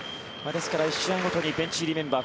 ですから１試合ごとにベンチ入りメンバー